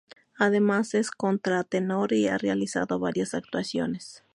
Además es contratenor y ha realizado varias actuaciones.